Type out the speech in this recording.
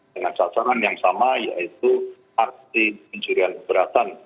dengan sasaran yang sama yaitu aksi pencurian keberatan